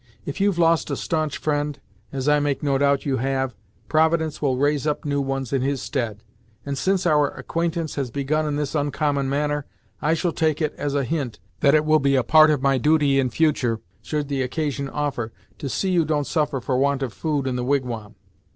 If you've lost a staunch fri'nd, as I make no doubt you have, Providence will raise up new ones in his stead, and since our acquaintance has begun in this oncommon manner, I shall take it as a hint that it will be a part of my duty in futur', should the occasion offer, to see you don't suffer for want of food in the wigwam.